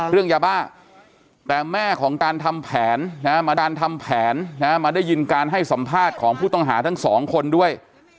เรื่องยาบ้าแต่แม่ของการทำแผนมาดันทำแผนมาได้ยินการให้สัมภาษณ์ของผู้ต้องหาทั้งสองคนด้วย